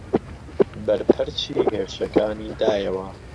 بەرپەرچی هێرشەکانی دایەوە